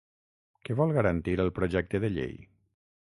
Què vol garantir el projecte de llei?